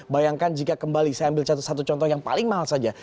bayangkan jika kembali saya ambil satu contoh yang paling mahal saja